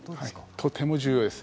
とても重要です。